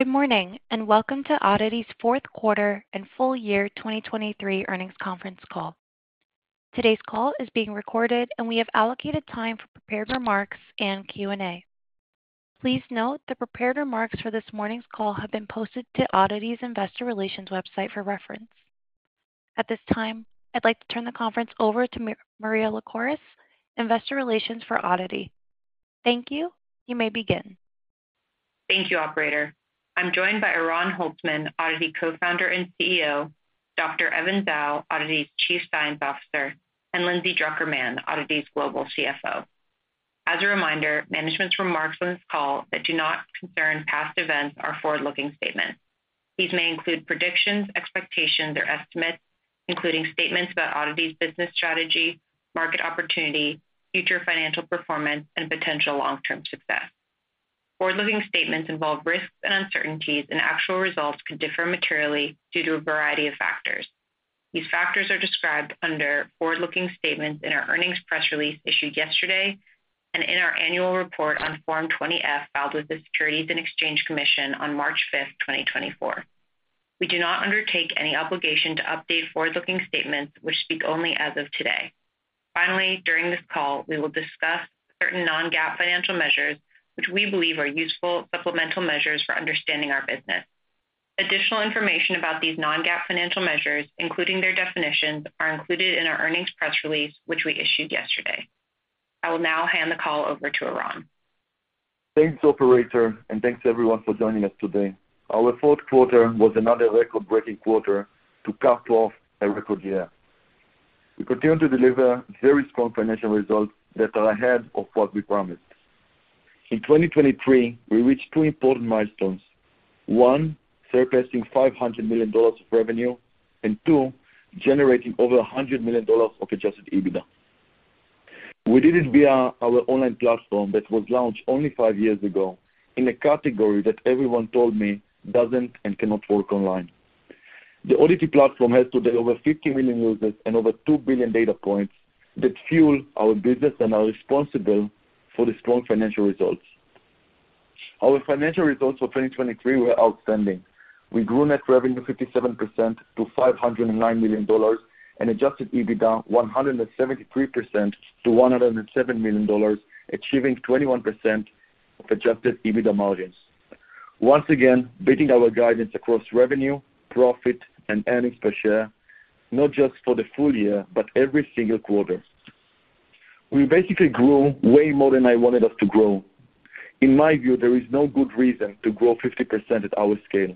Good morning, and welcome to ODDITY's fourth quarter and full year 2023 earnings conference call. Today's call is being recorded, and we have allocated time for prepared remarks and Q&A. Please note, the prepared remarks for this morning's call have been posted to ODDITY's Investor Relations website for reference. At this time, I'd like to turn the conference over to Maria Lycouris, Investor Relations for ODDITY. Thank you. You may begin. Thank you, operator. I'm joined by Oran Holtzman, ODDITY Co-founder and CEO, Dr. Evan Zhao, ODDITY's Chief Science Officer, and Lindsay Drucker Mann, ODDITY's Global CFO. As a reminder, management's remarks on this call that do not concern past events are forward-looking statements. These may include predictions, expectations, or estimates, including statements about ODDITY's business strategy, market opportunity, future financial performance, and potential long-term success. Forward-looking statements involve risks and uncertainties, and actual results could differ materially due to a variety of factors. These factors are described under Forward-Looking Statements in our earnings press release issued yesterday and in our annual report on Form 20-F, filed with the Securities and Exchange Commission on March 5, 2024. We do not undertake any obligation to update forward-looking statements which speak only as of today. Finally, during this call, we will discuss certain non-GAAP financial measures, which we believe are useful supplemental measures for understanding our business. Additional information about these non-GAAP financial measures, including their definitions, are included in our earnings press release, which we issued yesterday. I will now hand the call over to Oran. Thanks, operator, and thanks, everyone, for joining us today. Our fourth quarter was another record-breaking quarter to cap off a record year. We continue to deliver very strong financial results that are ahead of what we promised. In 2023, we reached two important milestones. One, surpassing $500 million of revenue, and two, generating over $100 million of Adjusted EBITDA. We did it via our online platform that was launched only five years ago in a category that everyone told me doesn't and cannot work online. The ODDITY platform has today over 50 million users and over 2 billion data points that fuel our business and are responsible for the strong financial results. Our financial results for 2023 were outstanding. We grew net revenue 57% to $509 million, and adjusted EBITDA 173% to $107 million, achieving 21% of adjusted EBITDA margins. Once again, beating our guidance across revenue, profit, and earnings per share, not just for the full year, but every single quarter. We basically grew way more than I wanted us to grow. In my view, there is no good reason to grow 50% at our scale.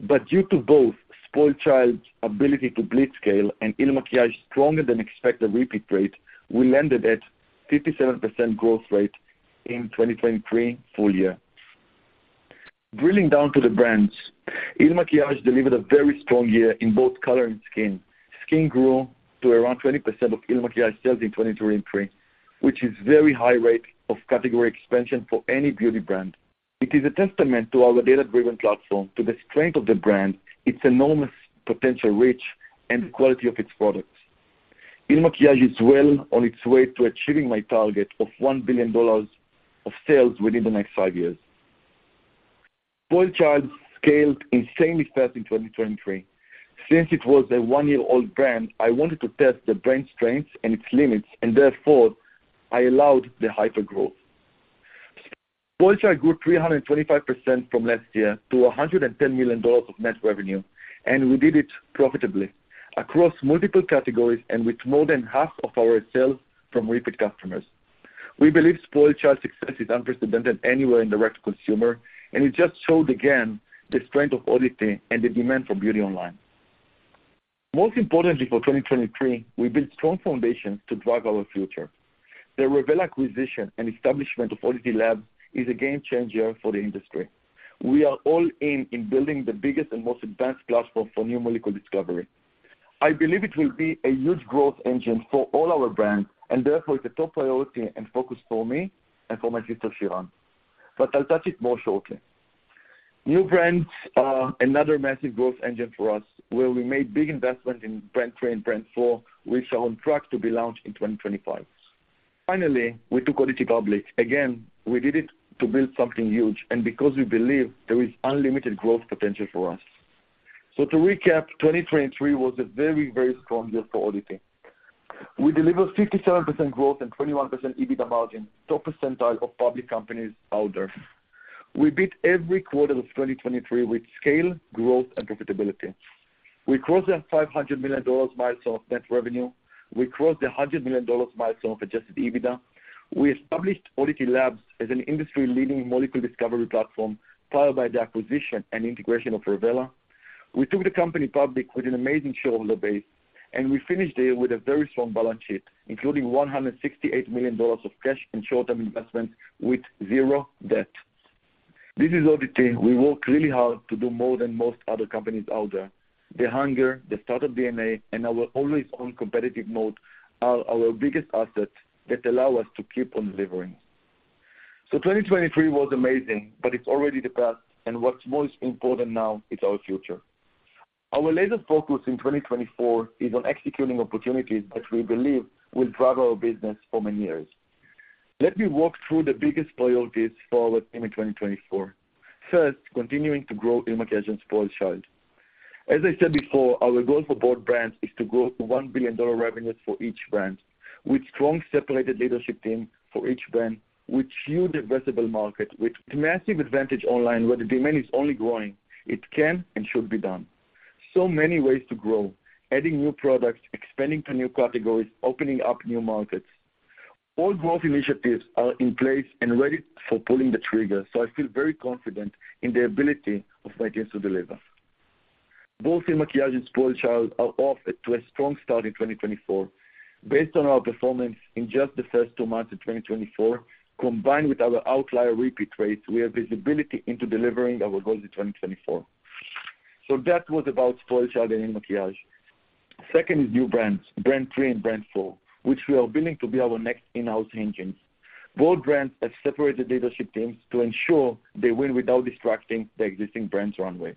But due to both SpoiledChild's ability to blitz scale and IL MAKIAGE stronger than expected repeat rate, we landed at 57% growth rate in 2023 full year. Drilling down to the brands, IL MAKIAGE delivered a very strong year in both color and skin. Skin grew to around 20% of IL MAKIAGE sales in 2023, which is very high rate of category expansion for any beauty brand. It is a testament to our data-driven platform, to the strength of the brand, its enormous potential reach, and the quality of its products. IL MAKIAGE is well on its way to achieving my target of $1 billion of sales within the next five years. SpoiledChild scaled insanely fast in 2023. Since it was a one-year-old brand, I wanted to test the brand strengths and its limits, and therefore, I allowed the hypergrowth. SpoiledChild grew 325% from last year to $110 million of net revenue, and we did it profitably across multiple categories and with more than half of our sales from repeat customers. We believe SpoiledChild success is unprecedented anywhere in direct-to-consumer, and it just showed, again, the strength of ODDITY and the demand for beauty online. Most importantly, for 2023, we built strong foundations to drive our future. The Revela acquisition and establishment of ODDITY Labs is a game changer for the industry. We are all in, in building the biggest and most advanced platform for new molecule discovery. I believe it will be a huge growth engine for all our brands, and therefore it's a top priority and focus for me and for my sister, Shiran, but I'll touch it more shortly. New brands are another massive growth engine for us, where we made big investments in Brand 3 and Brand 4, which are on track to be launched in 2025. Finally, we took ODDITY public. Again, we did it to build something huge and because we believe there is unlimited growth potential for us. To recap, 2023 was a very, very strong year for ODDITY. We delivered 57% growth and 21% EBITDA margin, top percentile of public companies out there. We beat every quarter of 2023 with scale, growth, and profitability. We crossed the $500 million milestone of net revenue. We crossed the $100 million milestone of adjusted EBITDA. We established ODDITY Labs as an industry-leading molecule discovery platform, powered by the acquisition and integration of Revela. We took the company public with an amazing shareholder base, and we finished the year with a very strong balance sheet, including $168 million of cash and short-term investments with zero debt. This is ODDITY. We work really hard to do more than most other companies out there. The hunger, the startup DNA, and our always-on competitive mode are our biggest assets that allow us to keep on delivering. So 2023 was amazing, but it's already the past, and what's most important now is our future. Our latest focus in 2024 is on executing opportunities that we believe will drive our business for many years. Let me walk through the biggest priorities for within 2024. First, continuing to grow IL MAKIAGE and SpoiledChild. As I said before, our goal for both brands is to grow to $1 billion revenues for each brand, with strong, separated leadership team for each brand, with huge addressable market, with massive advantage online, where the demand is only growing. It can and should be done. So many ways to grow, adding new products, expanding to new categories, opening up new markets. All growth initiatives are in place and ready for pulling the trigger, so I feel very confident in the ability of my teams to deliver. Both IL MAKIAGE and SpoiledChild are off to a strong start in 2024. Based on our performance in just the first two months of 2024, combined with our outlier repeat rates, we have visibility into delivering our goals in 2024. So that was about SpoiledChild and IL MAKIAGE. Second is new brands, Brand 3 and Brand 4, which we are building to be our next in-house engines. Both brands have separated leadership teams to ensure they win without distracting the existing brands runway.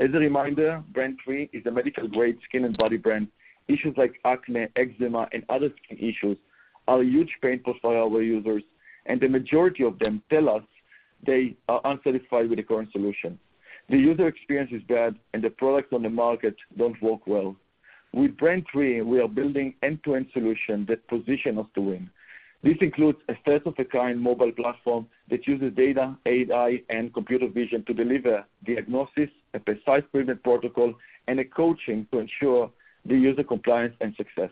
As a reminder, Brand 3 is a medical-grade skin and body brand. Issues like acne, eczema, and other skin issues are a huge pain profile for our users, and the majority of them tell us they are unsatisfied with the current solution. The user experience is bad, and the products on the market don't work well. With Brand 3, we are building end-to-end solution that position us to win. This includes a first-of-a-kind mobile platform that uses data, AI, and computer vision to deliver diagnosis, a precise treatment protocol, and a coaching to ensure the user compliance and success.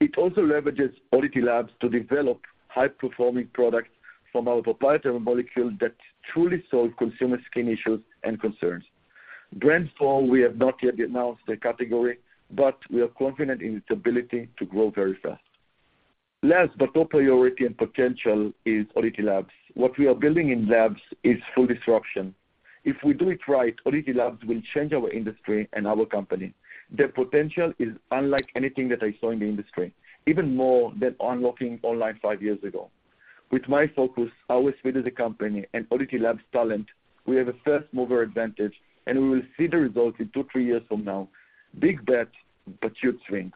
It also leverages ODDITY Labs to develop high-performing products from our proprietary molecule that truly solve consumer skin issues and concerns. Brand 4, we have not yet announced the category, but we are confident in its ability to grow very fast. Last, but top priority and potential is ODDITY Labs. What we are building in Labs is full disruption. If we do it right, ODDITY Labs will change our industry and our company. The potential is unlike anything that I saw in the industry, even more than unlocking online five years ago. With my focus, our speed as a company, and ODDITY Labs' talent, we have a first-mover advantage, and we will see the results in two, three years from now. Big bet, but huge swing.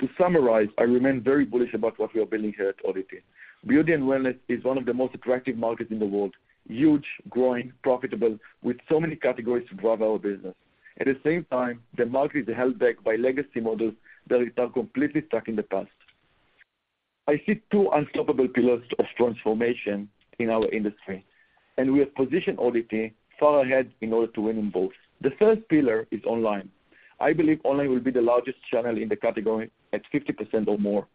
To summarize, I remain very bullish about what we are building here at ODDITY. Beauty and wellness is one of the most attractive markets in the world, huge, growing, profitable, with so many categories to drive our business. At the same time, the market is held back by legacy models that are completely stuck in the past. I see two unstoppable pillars of transformation in our industry, and we have positioned ODDITY far ahead in order to win in both. The first pillar is online. I believe online will be the largest channel in the category at 50% or more,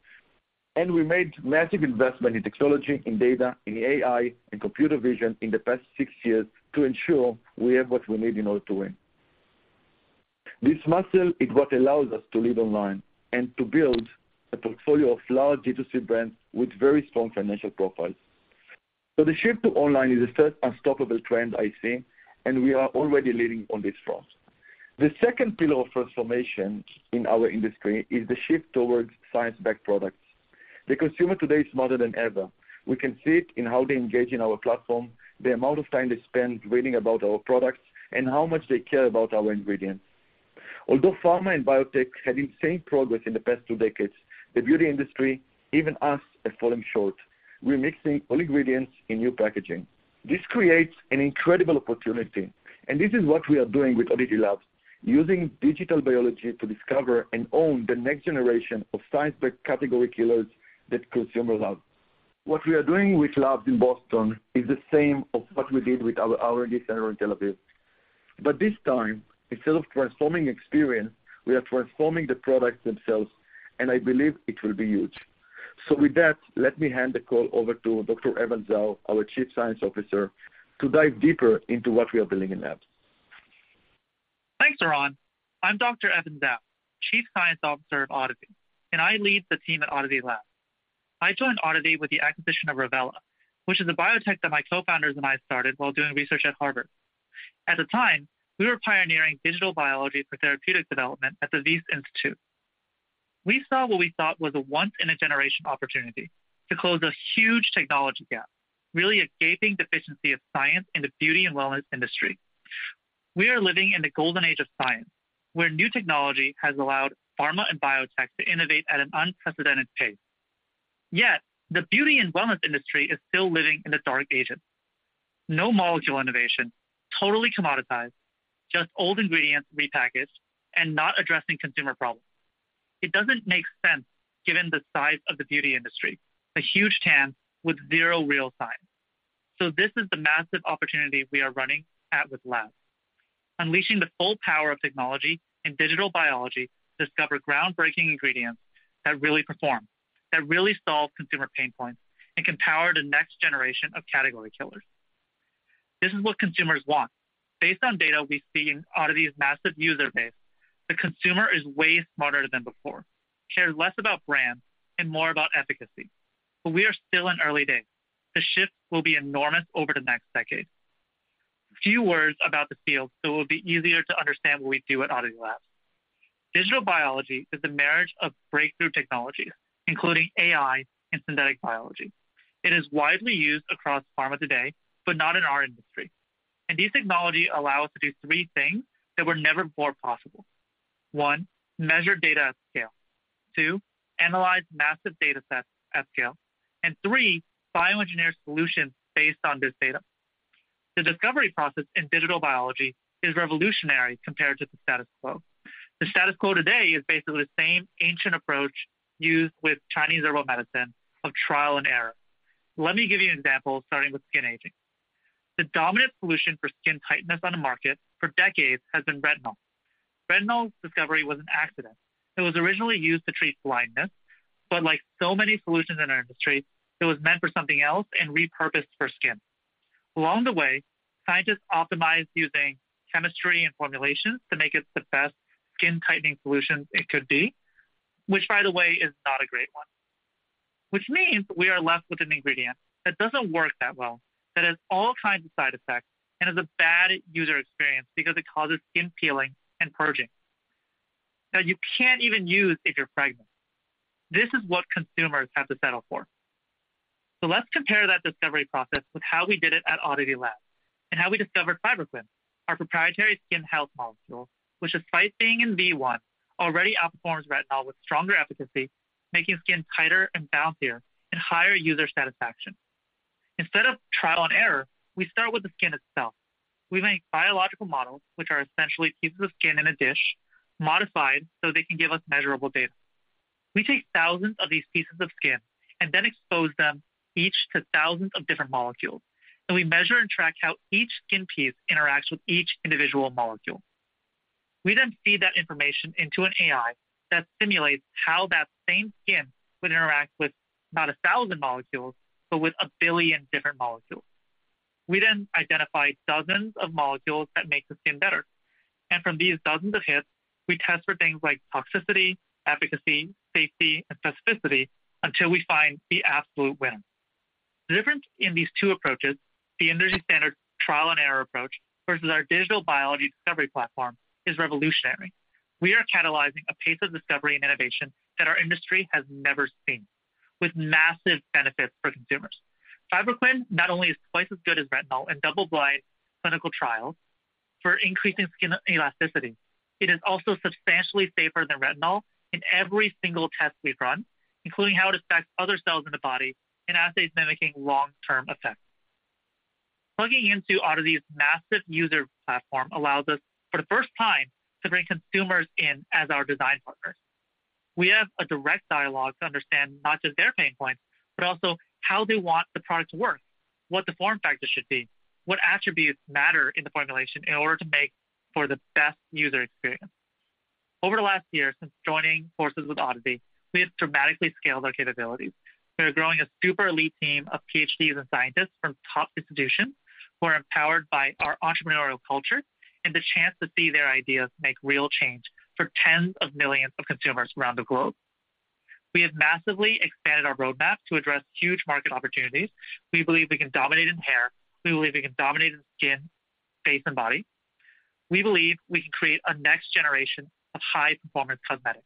and we made massive investment in technology, in data, in AI, and computer vision in the past six years to ensure we have what we need in order to win. This muscle is what allows us to lead online and to build a portfolio of large D2C brands with very strong financial profiles. So the shift to online is the first unstoppable trend I see, and we are already leading on this front. The second pillar of transformation in our industry is the shift towards science-backed products. The consumer today is smarter than ever. We can see it in how they engage in our platform, the amount of time they spend reading about our products, and how much they care about our ingredients. Although pharma and biotech had insane progress in the past two decades, the beauty industry, even us, have fallen short. We're mixing all ingredients in new packaging. This creates an incredible opportunity, and this is what we are doing with ODDITY Labs, using digital biology to discover and own the next generation of science-backed category killers that consumer love. What we are doing with Labs in Boston is the same of what we did with our R&D center in Tel Aviv. But this time, instead of transforming experience, we are transforming the products themselves, and I believe it will be huge. So with that, let me hand the call over to Dr. Evan Zhao, our Chief Science Officer, to dive deeper into what we are building in Labs. Thanks, Oran. I'm Dr. Evan Zhao, Chief Science Officer of ODDITY, and I lead the team at ODDITY Labs. I joined ODDITY with the acquisition of Revela, which is a biotech that my co-founders and I started while doing research at Harvard. At the time, we were pioneering digital biology for therapeutic development at the Wyss Institute. We saw what we thought was a once-in-a-generation opportunity to close a huge technology gap, really a gaping deficiency of science in the beauty and wellness industry. We are living in the golden age of science, where new technology has allowed pharma and biotech to innovate at an unprecedented pace. Yet, the beauty and wellness industry is still living in the dark ages. No molecule innovation, totally commoditized, just old ingredients repackaged and not addressing consumer problems. It doesn't make sense, given the size of the beauty industry, a huge TAM with zero real science. So this is the massive opportunity we are running at with ODDITY Labs, unleashing the full power of technology and digital biology to discover groundbreaking ingredients that really perform, that really solve consumer pain points, and can power the next generation of category killers. This is what consumers want. Based on data we see in ODDITY's massive user base, the consumer is way smarter than before, cares less about brands and more about efficacy. But we are still in early days. The shift will be enormous over the next decade. A few words about the field, so it will be easier to understand what we do at ODDITY Labs. Digital biology is the marriage of breakthrough technologies, including AI and synthetic biology. It is widely used across pharma today, but not in our industry. These technologies allow us to do three things that were never before possible. One, measure data at scale. Two, analyze massive data sets at scale, and three, bioengineer solutions based on this data. The discovery process in digital biology is revolutionary compared to the status quo. The status quo today is basically the same ancient approach used with Chinese herbal medicine of trial and error. Let me give you an example, starting with skin aging. The dominant solution for skin tightness on the market for decades has been retinol. Retinol's discovery was an accident. It was originally used to treat blindness, but like so many solutions in our industry, it was meant for something else and repurposed for skin. Along the way, scientists optimized using chemistry and formulations to make it the best skin tightening solution it could be, which, by the way, is not a great one. Which means we are left with an ingredient that doesn't work that well, that has all kinds of side effects, and is a bad user experience because it causes skin peeling and purging, that you can't even use if you're pregnant. This is what consumers have to settle for. So let's compare that discovery process with how we did it at ODDITY Labs, and how we discovered Fibroquin, our proprietary skin health molecule, which, despite being in V1, already outperforms retinol with stronger efficacy, making skin tighter and bouncier, and higher user satisfaction. Instead of trial and error, we start with the skin itself. We make biological models, which are essentially pieces of skin in a dish, modified so they can give us measurable data. We take thousands of these pieces of skin and then expose them each to thousands of different molecules, and we measure and track how each skin piece interacts with each individual molecule. We then feed that information into an AI that simulates how that same skin would interact with not 1,000 molecules, but with 1 billion different molecules. We then identify dozens of molecules that make the skin better, and from these dozens of hits, we test for things like toxicity, efficacy, safety, and specificity until we find the absolute winner. The difference in these two approaches, the industry standard trial and error approach, versus our digital biology discovery platform, is revolutionary. We are catalyzing a pace of discovery and innovation that our industry has never seen, with massive benefits for consumers. Fibroquin not only is twice as good as retinol in double-blind clinical trials for increasing skin elasticity, it is also substantially safer than retinol in every single test we've run, including how it affects other cells in the body in assays mimicking long-term effects. Plugging into ODDITY's massive user platform allows us, for the first time, to bring consumers in as our design partners. We have a direct dialogue to understand not just their pain points, but also how they want the product to work, what the form factor should be, what attributes matter in the formulation in order to make for the best user experience. Over the last year, since joining forces with ODDITY, we have dramatically scaled our capabilities. We are growing a super elite team of PhDs and scientists from top institutions, who are empowered by our entrepreneurial culture and the chance to see their ideas make real change for tens of millions of consumers around the globe. We have massively expanded our roadmap to address huge market opportunities. We believe we can dominate in hair. We believe we can dominate in skin, face, and body. We believe we can create a next generation of high-performance cosmetics,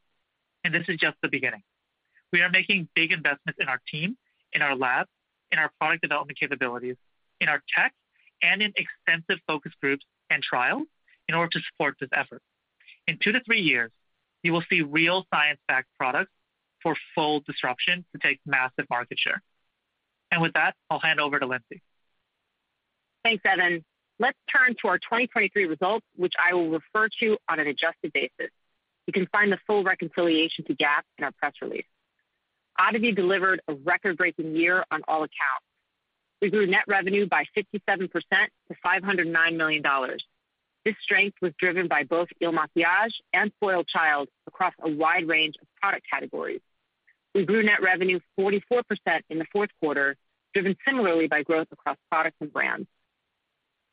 and this is just the beginning. We are making big investments in our team, in our lab, in our product development capabilities, in our tech, and in extensive focus groups and trials in order to support this effort. In 2-3 years, you will see real science-backed products for full disruption to take massive market share. And with that, I'll hand over to Lindsay. Thanks, Evan. Let's turn to our 2023 results, which I will refer to on an adjusted basis. You can find the full reconciliation to GAAP in our press release. ODDITY delivered a record-breaking year on all accounts. We grew net revenue by 57% to $509 million. This strength was driven by both IL MAKIAGE and SpoiledChild across a wide range of product categories. We grew net revenue 44% in the fourth quarter, driven similarly by growth across products and brands.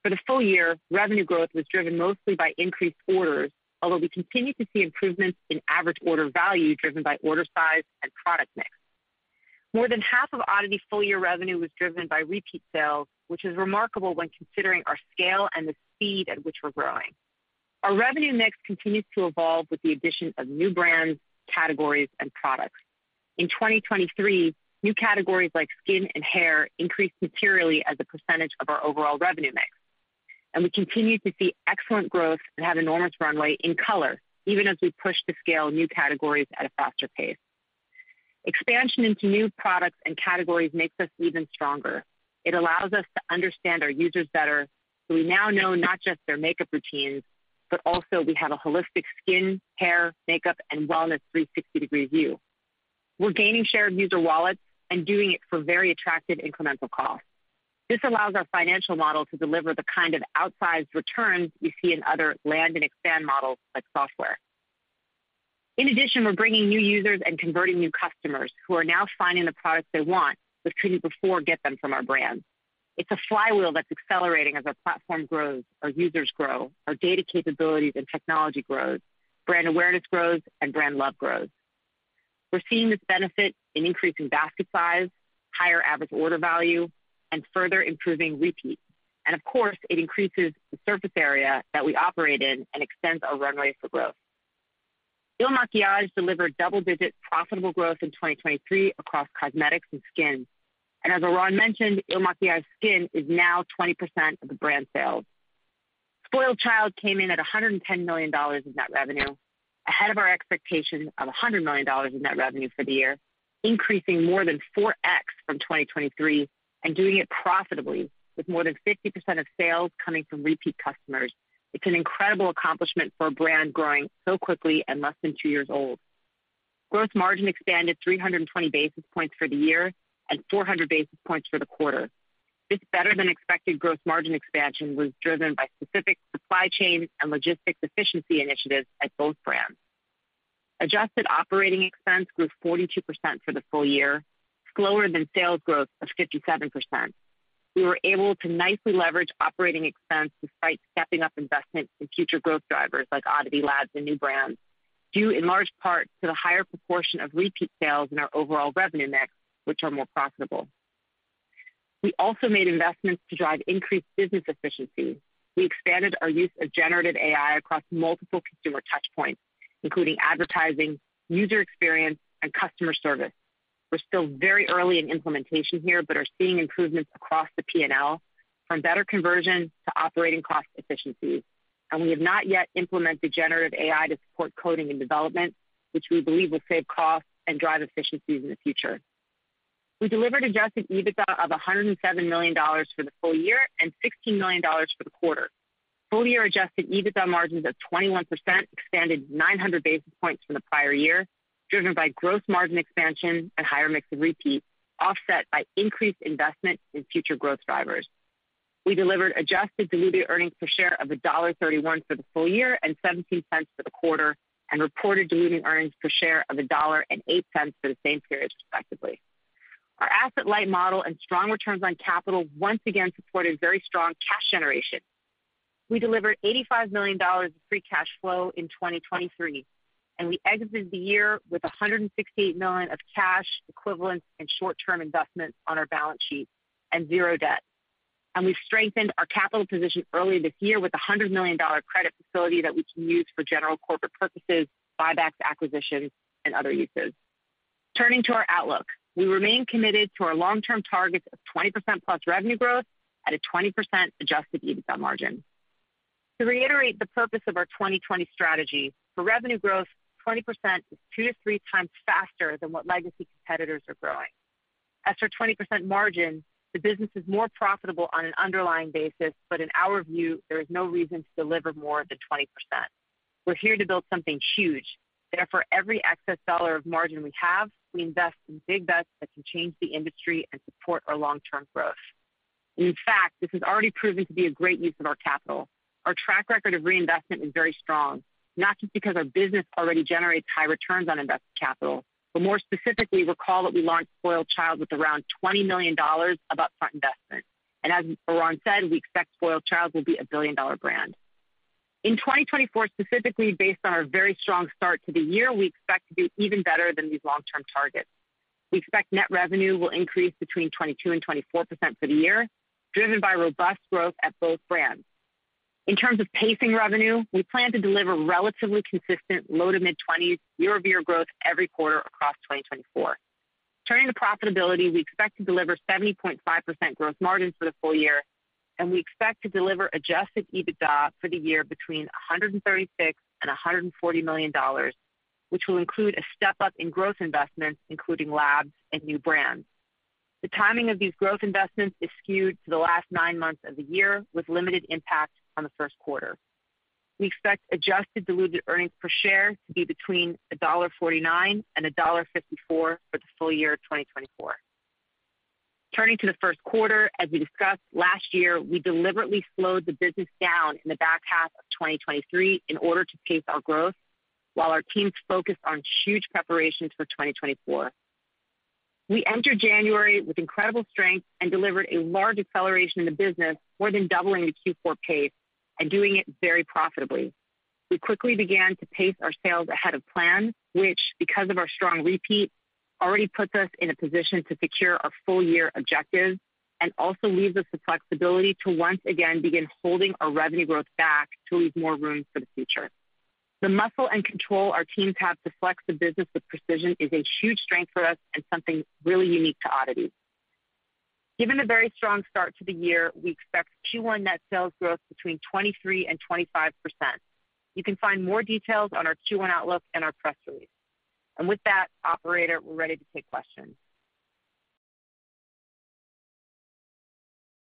For the full year, revenue growth was driven mostly by increased orders, although we continued to see improvements in average order value, driven by order size and product mix. More than half of ODDITY's full year revenue was driven by repeat sales, which is remarkable when considering our scale and the speed at which we're growing. Our revenue mix continues to evolve with the addition of new brands, categories, and products. In 2023, new categories like skin and hair increased materially as a percentage of our overall revenue mix, and we continued to see excellent growth and have enormous runway in color, even as we push to scale new categories at a faster pace. Expansion into new products and categories makes us even stronger. It allows us to understand our users better, so we now know not just their makeup routines, but also we have a holistic skin, hair, makeup, and wellness 360-degree view. We're gaining shared user wallets and doing it for very attractive incremental costs. This allows our financial model to deliver the kind of outsized returns you see in other land and expand models, like software. In addition, we're bringing new users and converting new customers who are now finding the products they want, but couldn't before get them from our brands. It's a flywheel that's accelerating as our platform grows, our users grow, our data capabilities and technology grows, brand awareness grows, and brand love grows. We're seeing this benefit in increasing basket size, higher average order value, and further improving repeat. And of course, it increases the surface area that we operate in and extends our runway for growth. IL MAKIAGE delivered double-digit profitable growth in 2023 across cosmetics and skin. And as Oran mentioned, IL MAKIAGE skin is now 20% of the brand sales. SpoiledChild came in at $110 million in net revenue, ahead of our expectation of $100 million in net revenue for the year, increasing more than 4x from 2023, and doing it profitably, with more than 50% of sales coming from repeat customers. It's an incredible accomplishment for a brand growing so quickly and less than two years old. Gross margin expanded 320 basis points for the year and 400 basis points for the quarter. This better-than-expected gross margin expansion was driven by specific supply chain and logistics efficiency initiatives at both brands. Adjusted operating expense grew 42% for the full year, slower than sales growth of 57%. We were able to nicely leverage operating expense despite stepping up investments in future growth drivers like ODDITY Labs and new brands, due in large part to the higher proportion of repeat sales in our overall revenue mix, which are more profitable. We also made investments to drive increased business efficiency. We expanded our use of generative AI across multiple consumer touch points, including advertising, user experience, and customer service. We're still very early in implementation here, but are seeing improvements across the P&L, from better conversion to operating cost efficiencies, and we have not yet implemented generative AI to support coding and development, which we believe will save costs and drive efficiencies in the future. We delivered adjusted EBITDA of $107 million for the full year and $16 million for the quarter. Full-year adjusted EBITDA margins of 21% expanded 900 basis points from the prior year, driven by gross margin expansion and higher mix of repeat, offset by increased investment in future growth drivers. We delivered adjusted diluted earnings per share of $1.31 for the full year and $0.17 for the quarter, and reported diluted earnings per share of $1.08 for the same period, respectively. Our asset-light model and strong returns on capital once again supported very strong cash generation. We delivered $85 million of free cash flow in 2023, and we exited the year with $168 million of cash equivalents and short-term investments on our balance sheet and zero debt. We've strengthened our capital position early this year with a $100 million credit facility that we can use for general corporate purposes, buybacks, acquisitions, and other uses. Turning to our outlook. We remain committed to our long-term targets of +20% revenue growth at a 20% adjusted EBITDA margin. To reiterate the purpose of our 2020 strategy, for revenue growth, 20% is 2-3x faster than what legacy competitors are growing. As for 20% margin, the business is more profitable on an underlying basis, but in our view, there is no reason to deliver more than 20%. We're here to build something huge. Therefore, every excess dollar of margin we have, we invest in big bets that can change the industry and support our long-term growth. In fact, this has already proven to be a great use of our capital. Our track record of reinvestment is very strong, not just because our business already generates high returns on invested capital, but more specifically, recall that we launched SpoiledChild with around $20 million of upfront investment. As Oran said, we expect SpoiledChild will be a billion-dollar brand. In 2024, specifically, based on our very strong start to the year, we expect to be even better than these long-term targets. We expect net revenue will increase between 22% and 24% for the year, driven by robust growth at both brands. In terms of pacing revenue, we plan to deliver relatively consistent low- to mid-20s year-over-year growth every quarter across 2024. Turning to profitability, we expect to deliver 70.5% gross margin for the full year, and we expect to deliver Adjusted EBITDA for the year between $136 million and $140 million, which will include a step-up in growth investments, including Labs and new brands. The timing of these growth investments is skewed to the last nine months of the year, with limited impact on the first quarter. We expect Adjusted Diluted Earnings Per Share to be between $1.49 and $1.54 for the full year of 2024. Turning to the first quarter, as we discussed last year, we deliberately slowed the business down in the back half of 2023 in order to pace our growth while our teams focused on huge preparations for 2024. We entered January with incredible strength and delivered a large acceleration in the business, more than doubling the Q4 pace and doing it very profitably. We quickly began to pace our sales ahead of plan, which, because of our strong repeat, already puts us in a position to secure our full-year objectives and also leaves us the flexibility to once again begin holding our revenue growth back to leave more room for the future. The muscle and control our teams have to flex the business with precision is a huge strength for us and something really unique to ODDITY. Given the very strong start to the year, we expect Q1 net sales growth between 23% and 25%. You can find more details on our Q1 outlook in our press release. With that, operator, we're ready to take questions.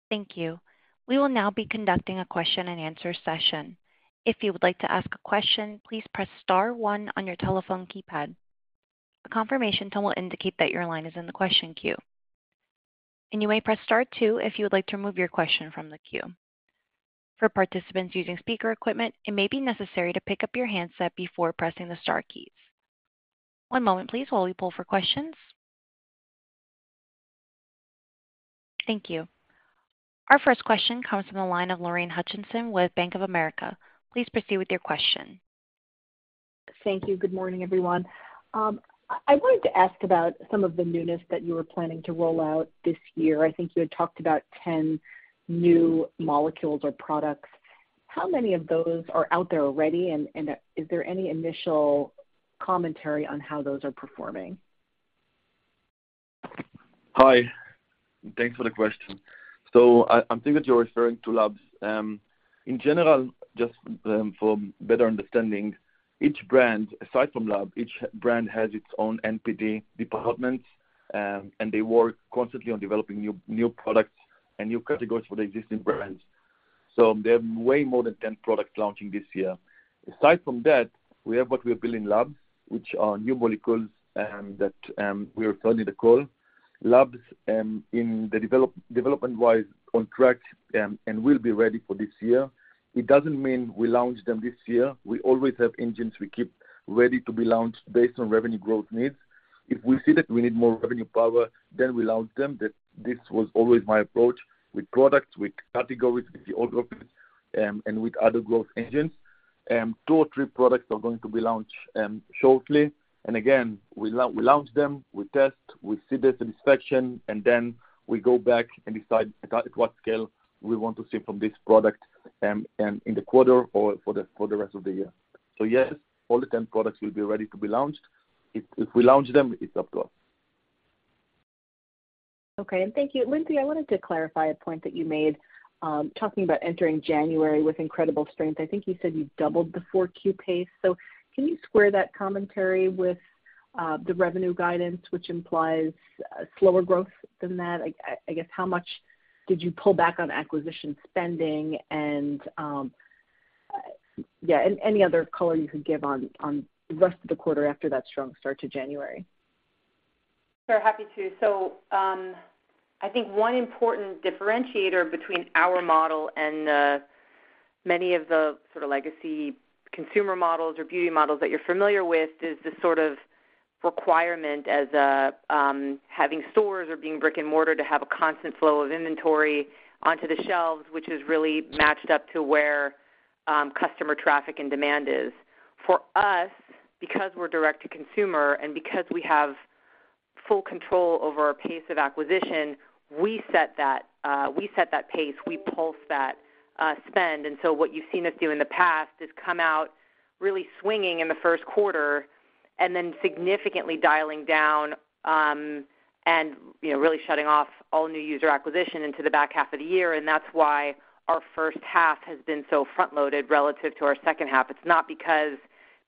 Thank you. We will now be conducting a question-and-answer session. If you would like to ask a question, please press star one on your telephone keypad. A confirmation tone will indicate that your line is in the question queue, and you may press star two if you would like to remove your question from the queue. For participants using speaker equipment, it may be necessary to pick up your handset before pressing the star keys. One moment, please, while we pull for questions. Thank you. Our first question comes from the line of Lorraine Hutchinson with Bank of America. Please proceed with your question. Thank you. Good morning, everyone. I wanted to ask about some of the newness that you were planning to roll out this year. I think you had talked about 10 new molecules or products. How many of those are out there already? Is there any initial commentary on how those are performing? Hi, thanks for the question. So I'm thinking that you're referring to Labs. In general, just for better understanding, each brand, aside from lab, each brand has its own NPD department, and they work constantly on developing new products and new categories for the existing brands. So there are way more than 10 products launching this year. Aside from that, we have what we are building Labs, which are new molecules, that we are calling ODDITY Labs, development-wise, on track, and will be ready for this year. It doesn't mean we launch them this year. We always have engines we keep ready to be launched based on revenue growth needs. If we see that we need more revenue power, then we launch them. This was always my approach with products, with categories, with the old, and with other growth engines. Two or three products are going to be launched shortly. And again, we launch them, we test, we see the satisfaction, and then we go back and decide at what scale we want to see from this product, in the quarter or for the rest of the year. So yes, all the 10 products will be ready to be launched. If we launch them, it's up to us. Okay. And thank you. Lindsay, I wanted to clarify a point that you made, talking about entering January with incredible strength. I think you said you doubled the 4Q pace. So can you square that commentary with the revenue guidance, which implies a slower growth than that? I guess, how much did you pull back on acquisition spending? And, yeah, and any other color you could give on the rest of the quarter after that strong start to January. Sure, happy to. So, I think one important differentiator between our model and many of the sort of legacy consumer models or beauty models that you're familiar with, is the sort of requirement as having stores or being brick-and-mortar to have a constant flow of inventory onto the shelves, which is really matched up to where customer traffic and demand is. For us, because we're direct to consumer and because we have full control over our pace of acquisition, we set that, we set that pace, we pulse that spend. And so what you've seen us do in the past is come out really swinging in the first quarter and then significantly dialing down, and, you know, really shutting off all new user acquisition into the back half of the year, and that's why our first half has been so front-loaded relative to our second half. It's not because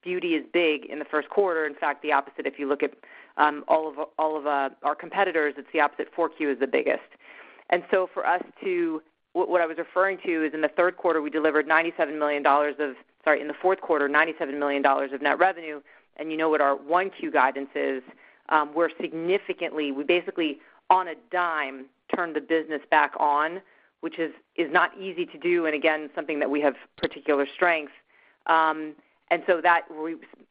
beauty is big in the first quarter, in fact, the opposite. If you look at all of our competitors, it's the opposite, Q4 is the biggest. And so for us to. What I was referring to is in the third quarter, we delivered $97 million of. Sorry, in the fourth quarter, $97 million of net revenue, and you know what our 1Q guidance is. We're significantly. We basically, on a dime, turned the business back on, which is not easy to do, and again, something that we have particular strengths. And so that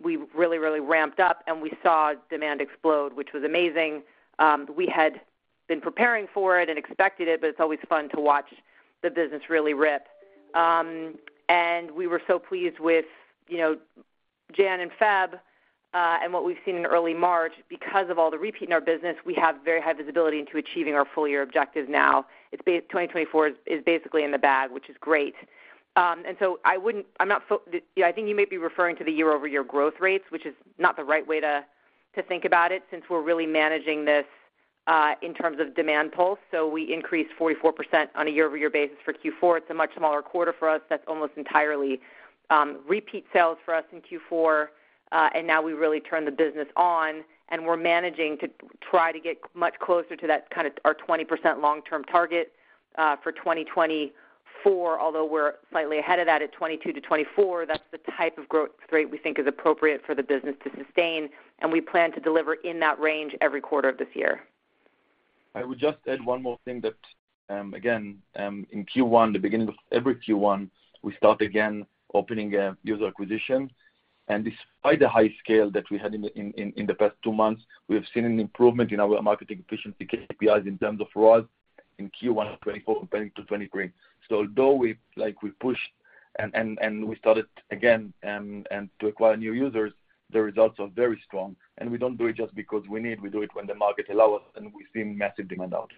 we really, really ramped up, and we saw demand explode, which was amazing. We had been preparing for it and expected it, but it's always fun to watch the business really rip. And we were so pleased with, you know, January and February, and what we've seen in early March. Because of all the repeat in our business, we have very high visibility into achieving our full year objectives now. 2024 is basically in the bag, which is great. Yeah, I think you might be referring to the year-over-year growth rates, which is not the right way to think about it, since we're really managing this in terms of demand pulse. So we increased 44% on a year-over-year basis for Q4. It's a much smaller quarter for us. That's almost entirely repeat sales for us in Q4. And now we really turn the business on, and we're managing to try to get much closer to that kind of our 20% long-term target for 2024. Although we're slightly ahead of that at 22-24, that's the type of growth rate we think is appropriate for the business to sustain, and we plan to deliver in that range every quarter of this year. I would just add one more thing that, again, in Q1, the beginning of every Q1, we start again opening user acquisition. And despite the high scale that we had in the past two months, we have seen an improvement in our marketing efficiency KPIs in terms of ROAS in Q1 of 2024 compared to 2023. So although we, like, we pushed and we started again, and to acquire new users, the results are very strong, and we don't do it just because we need. We do it when the market allow us, and we've seen massive demand out.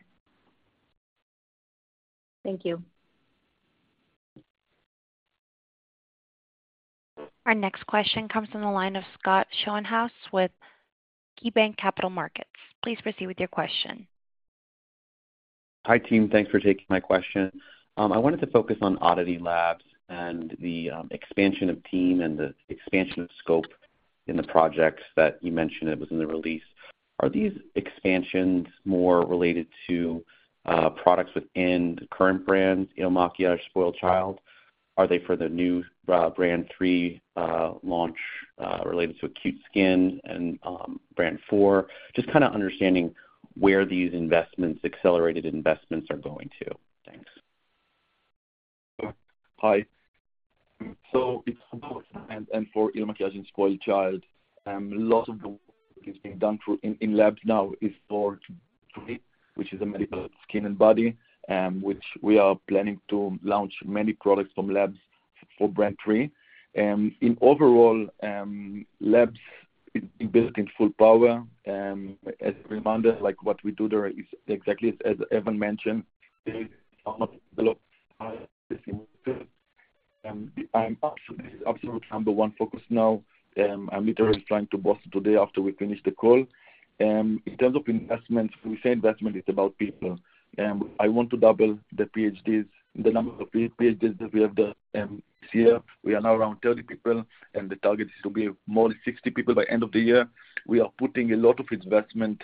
Thank you. Our next question comes from the line of Scott Schoenhaus with KeyBanc Capital Markets. Please proceed with your question. Hi, team. Thanks for taking my question. I wanted to focus on ODDITY Labs and the expansion of team and the expansion of scope in the projects that you mentioned it was in the release. Are these expansions more related to products within the current brands, you know, IL MAKIAGE, SpoiledChild? Are they for the new Brand 3 launch related to acute skin and Brand 4? Just kind of understanding where these investments, accelerated investments are going to. Thanks. Hi. So it's about, and for IL MAKIAGE and SpoiledChild, a lot of the work that is being done through Labs now is for Brand 3, which is a medical skin and body, which we are planning to launch many products from Labs for Brand 3. In overall, Labs is built in full power. As a reminder, like, what we do there is exactly as Evan mentioned, I'm absolutely number one focus now. I'm literally flying to Boston We are putting a lot of investment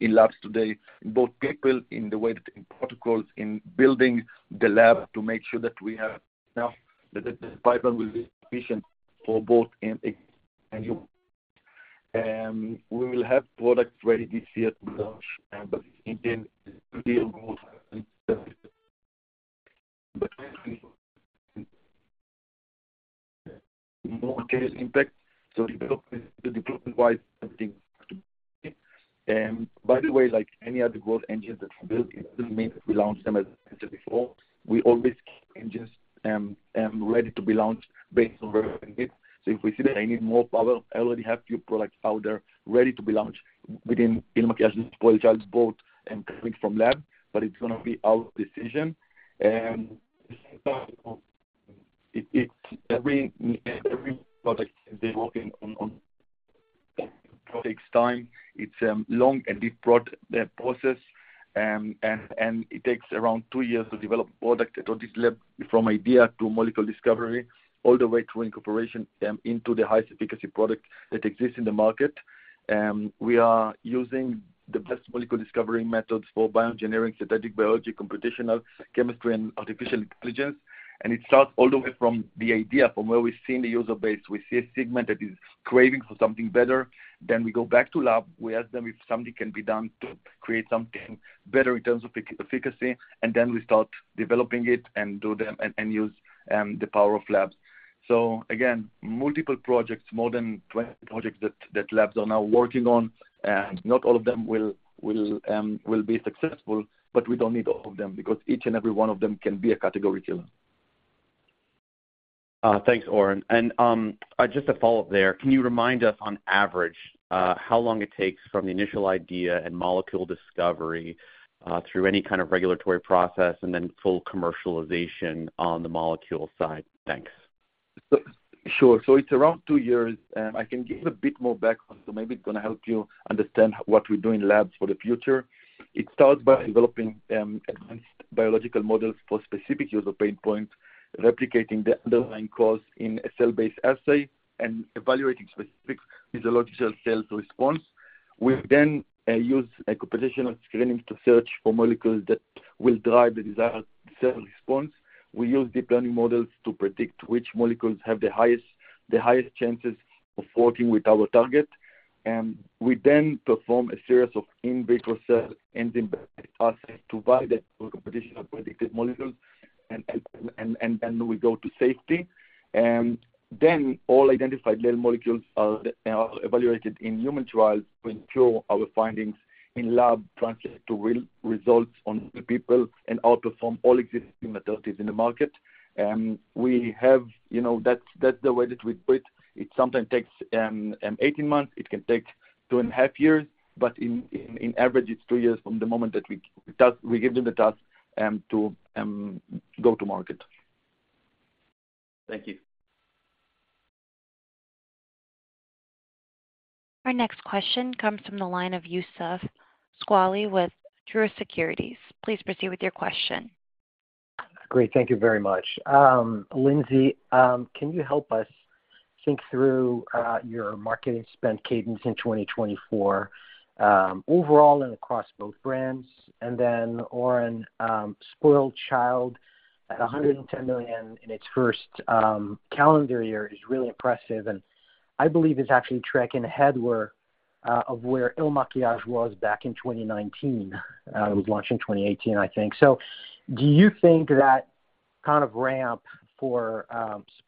in Labs today, both people in the way, in protocols, in building the lab, to make sure that we have now, that the pipeline will be efficient for both IM and SC. We will have products ready this year to launch, but in real growth. By the way, like any other growth engine that built, it doesn't mean that we launched them as before. We always keep engines ready to be launched based on where. So if we see that I need more power, I already have few products out there ready to be launched within IL MAKIAGE, SpoiledChild, both and coming from lab, but it's gonna be our decision. And it's every product they're working on takes time. It's long and deep process. It takes around two years to develop product on this lab, from idea to molecule discovery, all the way to incorporation into the highest efficacy product that exists in the market. We are using the best molecule discovery methods for bioengineering, synthetic biology, computational chemistry, and artificial intelligence. It starts all the way from the idea, from where we've seen the user base. We see a segment that is craving for something better. Then we go back to lab. We ask them if something can be done to create something better in terms of efficacy, and then we start developing it and use the power of Labs. So again, multiple projects, more than 20 projects that Labsare now working on, and not all of them will be successful, but we don't need all of them, because each and every one of them can be a category killer. Thanks, Oran. And, just a follow-up there, can you remind us on average, how long it takes from the initial idea and molecule discovery, through any kind of regulatory process and then full commercialization on the molecule side? Thanks. Sure. It's around two years, and I can give a bit more background, so maybe it's gonna help you understand what we do in Labs for the future. It starts by developing advanced biological models for specific user pain points, replicating the underlying cause in a cell-based assay and evaluating specific physiological cell's response. We then use, like, computational screening to search for molecules that will drive the desired cell response. We use deep learning models to predict which molecules have the highest chances of working with our target. We then perform a series of in vitro cell and in silico assays to validate the computationally predicted molecules, and then we go to safety. And then all identified little molecules are evaluated in human trials to ensure our findings in lab translate to real results on the people and outperform all existing modalities in the market. We have, you know, that's the way that we put it. It sometimes takes 18 months. It can take 2.5 years, but on average, it's two years from the moment that we give them the task to go to market. Thank you. Our next question comes from the line of Youssef Squali with Truist Securities. Please proceed with your question. Great. Thank you very much. Lindsay, can you help us think through your marketing spend cadence in 2024, overall and across both brands? And then, Oran, SpoiledChild at $110 million in its first calendar year is really impressive, and I believe it's actually tracking ahead of where IL MAKIAGE was back in 2019. It was launched in 2018, I think. So do you think that kind of ramp for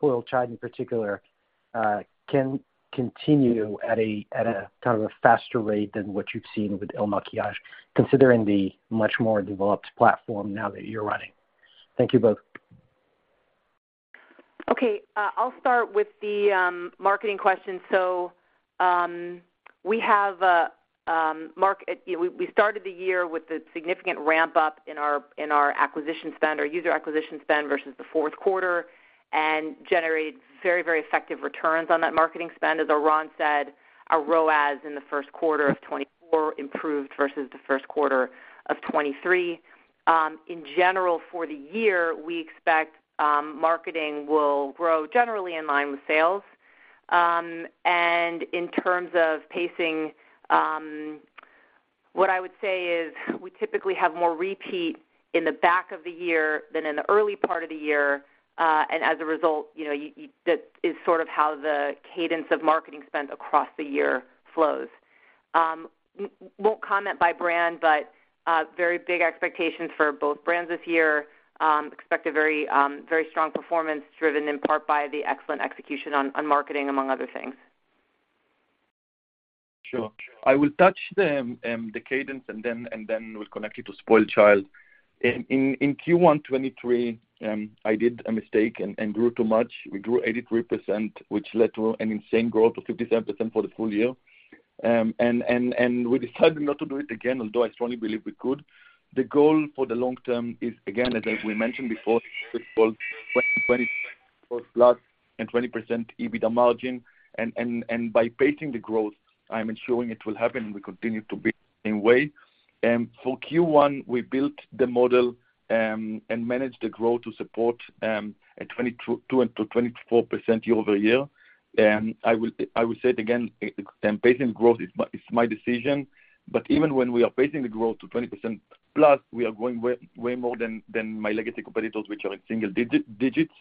SpoiledChild in particular can continue at a kind of a faster rate than what you've seen with IL MAKIAGE, considering the much more developed platform now that you're running? Thank you both. Okay, I'll start with the marketing question. So, we have, you know, we, we started the year with a significant ramp-up in our acquisition spend, our user acquisition spend versus the fourth quarter, and generated very, very effective returns on that marketing spend. As Oran said, our ROAS in the first quarter of 2024 improved versus the first quarter of 2023. In general, for the year, we expect marketing will grow generally in line with sales. And in terms of pacing, what I would say is we typically have more repeat in the back of the year than in the early part of the year. And as a result, you know, you, you. That is sort of how the cadence of marketing spend across the year flows. Won't comment by brand, but very big expectations for both brands this year. Expect a very very strong performance, driven in part by the excellent execution on marketing, among other things. Sure. I will touch the cadence, and then we'll connect it to SpoiledChild. In Q1 2023, I did a mistake and grew too much. We grew 83%, which led to an insane growth of 57% for the full year. And we decided not to do it again, although I strongly believe we could. The goal for the long term is, again, as we mentioned before, 20-20+ and 20% EBITDA margin. And by pacing the growth, I'm ensuring it will happen, and we continue to be in way. For Q1, we built the model and managed the growth to support a 22%-24% year-over-year. And I will say it again, pacing growth is my decision. But even when we are pacing the growth to +20%, we are growing way, way more than my legacy competitors, which are in single digits.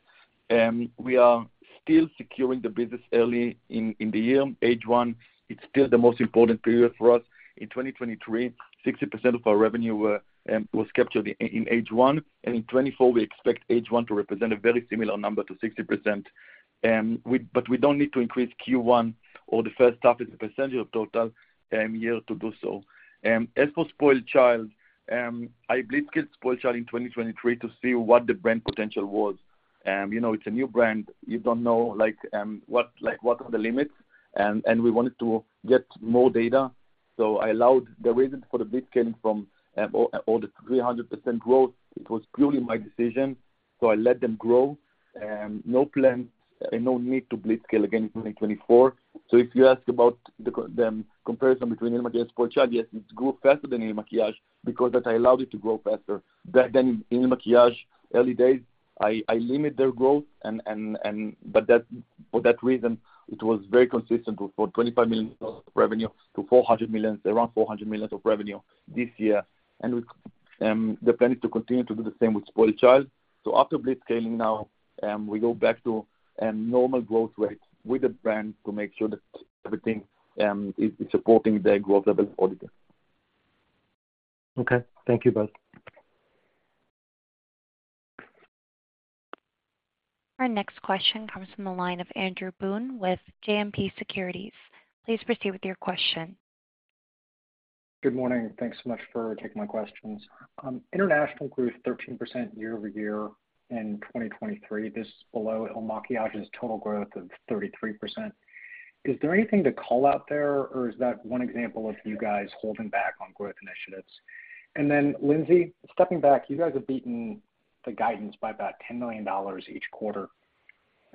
We are still securing the business early in the year. H1, it's still the most important period for us. In 2023, 60% of our revenue was captured in H1, and in 2024, we expect H1 to represent a very similar number to 60%. But we don't need to increase Q1 or the first half as a percentage of total year to do so. As for SpoiledChild, I blitzscale SpoiledChild in 2023 to see what the brand potential was. You know, it's a new brand. You don't know, like, what, like, what are the limits, and we wanted to get more data. So I allowed the reason for the blitz scaling from all the 300% growth, it was purely my decision, so I let them grow. No plans and no need to blitz scale again in 2024. So if you ask about the comparison between IL MAKIAGE and SpoiledChild, yes, it grew faster than IL MAKIAGE because that I allowed it to grow faster. Back then, in IL MAKIAGE early days, I limit their growth and but that, for that reason, it was very consistent for $25 million revenue to $400 million, around $400 million of revenue this year. And the plan is to continue to do the same with SpoiledChild. After blitz scaling now, we go back to normal growth rates with the brand to make sure that everything is supporting the growth of. Okay. Thank you, both. Our next question comes from the line of Andrew Boone with JMP Securities. Please proceed with your question. Good morning, and thanks so much for taking my questions. International grew 13% year-over-year in 2023. This is below IL MAKIAGE's total growth of 33%. Is there anything to call out there, or is that one example of you guys holding back on growth initiatives? And then, Lindsay, stepping back, you guys have beaten the guidance by about $10 million each quarter.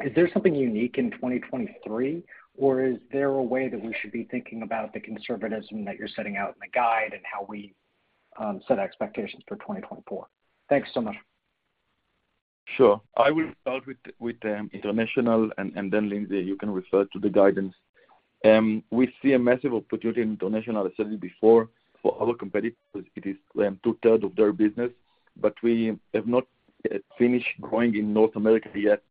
Is there something unique in 2023, or is there a way that we should be thinking about the conservatism that you're setting out in the guide and how we set expectations for 2024? Thanks so much. Sure. I will start with international, and then, Lindsay, you can refer to the guidance. We see a massive opportunity in international. I said it before, for our competitors, it is 2/3 of their business, but we have not finished growing in North America yet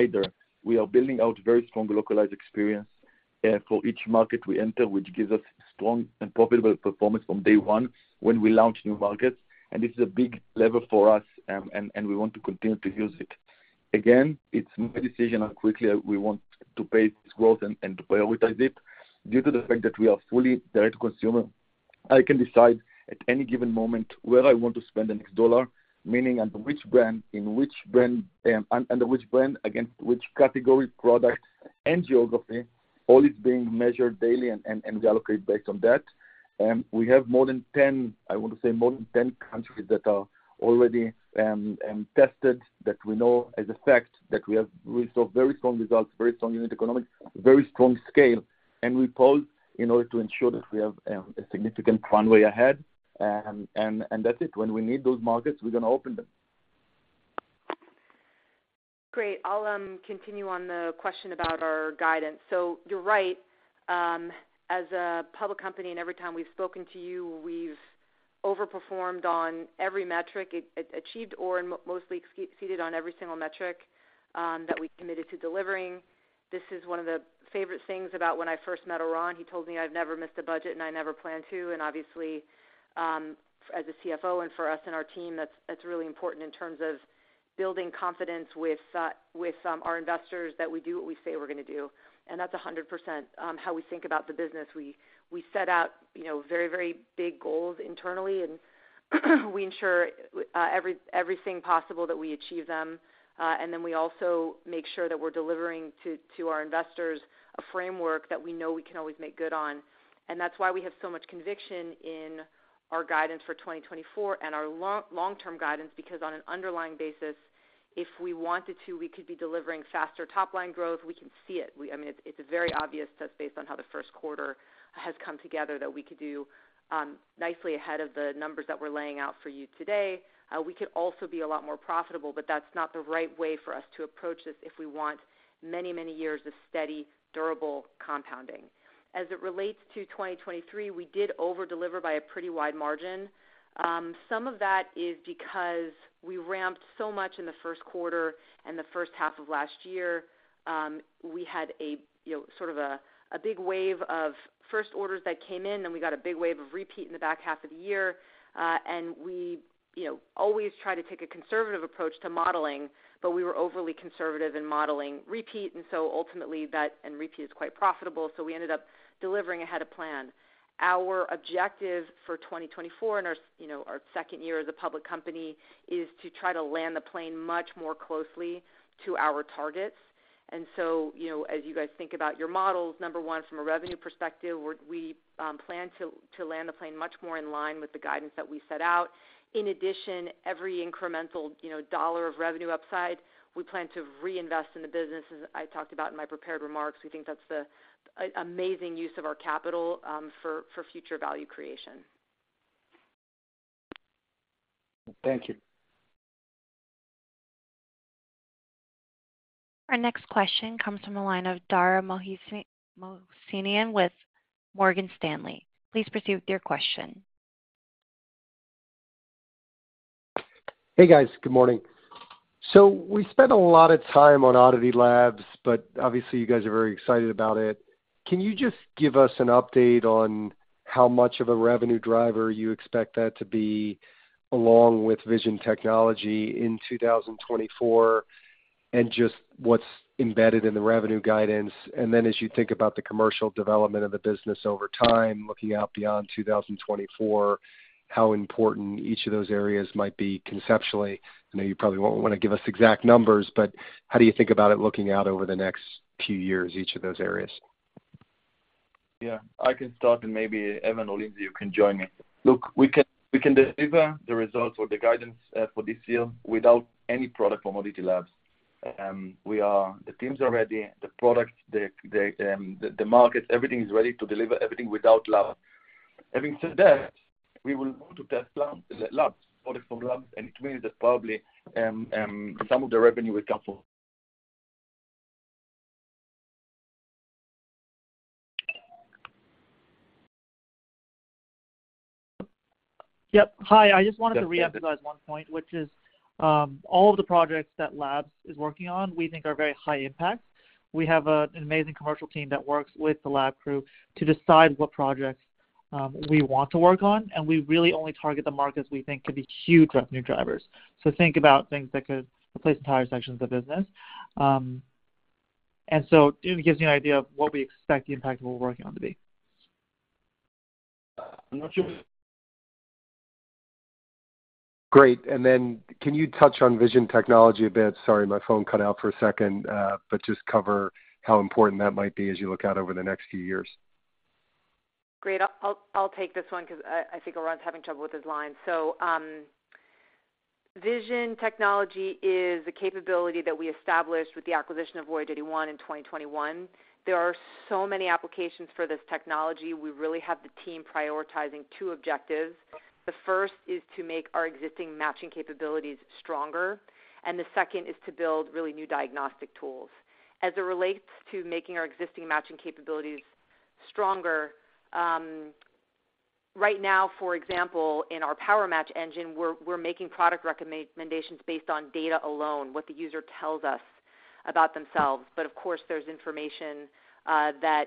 either. We are building out very strong localized experience for each market we enter, which gives us strong and profitable performance from day one when we launch new markets, and this is a big lever for us, and we want to continue to use it. Again, it's my decision on how quickly we want to pace growth and to prioritize it. Due to the fact that we are fully direct to consumer, I can decide at any given moment where I want to spend the next dollar, meaning under which brand, in which brand, under which brand, again, which category, product, and geography. All is being measured daily and we allocate based on that. We have more than 10, I want to say more than 10 countries that are already tested, that we know as a fact that we have reached a very strong results, very strong unit economics, very strong scale. We pause in order to ensure that we have a significant runway ahead. And that's it. When we need those markets, we're going to open them. Great. I'll continue on the question about our guidance. So you're right, as a public company, and every time we've spoken to you, we've overperformed on every metric, achieved or mostly exceeded on every single metric, that we committed to delivering. This is one of the favorite things about when I first met Eran. He told me: I've never missed a budget, and I never plan to. And obviously, as a CFO and for us and our team, that's really important in terms of building confidence with our investors, that we do what we say we're gonna do. And that's 100% how we think about the business. We set out, you know, very, very big goals internally, and we ensure everything possible that we achieve them. And then we also make sure that we're delivering to our investors a framework that we know we can always make good on. And that's why we have so much conviction in our guidance for 2024 and our long, long-term guidance, because on an underlying basis, if we wanted to, we could be delivering faster top-line growth. We can see it. I mean, it's a very obvious test based on how the first quarter has come together, that we could do nicely ahead of the numbers that we're laying out for you today. We could also be a lot more profitable, but that's not the right way for us to approach this if we want many, many years of steady, durable compounding. As it relates to 2023, we did over-deliver by a pretty wide margin. Some of that is because we ramped so much in the first quarter and the first half of last year. We had a, you know, sort of a big wave of first orders that came in, then we got a big wave of repeat in the back half of the year. And we, you know, always try to take a conservative approach to modeling, but we were overly conservative in modeling repeat, and so ultimately that, and repeat is quite profitable, so we ended up delivering ahead of plan. Our objective for 2024 and our, you know, our second year as a public company, is to try to land the plane much more closely to our targets. And so, you know, as you guys think about your models, number one, from a revenue perspective, we plan to land the plane much more in line with the guidance that we set out. In addition, every incremental, you know, dollar of revenue upside, we plan to reinvest in the business, as I talked about in my prepared remarks. We think that's the amazing use of our capital, for future value creation. Thank you. Our next question comes from the line of Dara Mohsenian with Morgan Stanley. Please proceed with your question. Hey, guys. Good morning. So we spent a lot of time on ODDITY Labs, but obviously you guys are very excited about it. Can you just give us an update on how much of a revenue driver you expect that to be, along with vision technology in 2024, and just what's embedded in the revenue guidance? And then as you think about the commercial development of the business over time, looking out beyond 2024, how important each of those areas might be conceptually? I know you probably won't want to give us exact numbers, but how do you think about it looking out over the next few years, each of those areas? Yeah, I can start, and maybe Evan or Lindsay, you can join me. Look, we can deliver the results or the guidance for this year without any product from ODDITY Labs. We are. The teams are ready, the products, the market, everything is ready to deliver, everything without lab. Having said that, we will want to test the Labs, product from Labs. and it means that probably some of the revenue will come from. Yep. Hi, I just wanted to reemphasize one point, which is, all of the projects that Labs is working on, we think are very high impact. We have an amazing commercial team that works with the lab crew to decide what projects we want to work on, and we really only target the markets we think could be huge revenue drivers. So think about things that could replace entire sections of business. And so it gives you an idea of what we expect the impact of what we're working on to be. I'm not sure. Great. And then can you touch on vision technology a bit? Sorry, my phone cut out for a second, but just cover how important that might be as you look out over the next few years. Great. I'll take this one because I think Oran's having trouble with his line. So, vision technology is the capability that we established with the acquisition of Voyage81 in 2021. There are so many applications for this technology. We really have the team prioritizing two objectives. The first is to make our existing matching capabilities stronger, and the second is to build really new diagnostic tools. As it relates to making our existing matching capabilities stronger, right now, for example, in our PowerMatch engine, we're making product recommendations based on data alone, what the user tells us about themselves. But of course, there's information that